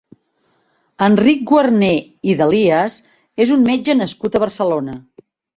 Enric Guarner i Dalias és un metge nascut a Barcelona.